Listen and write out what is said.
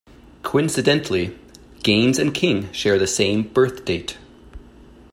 Coincidentally, Gaines and King share the same birthdate.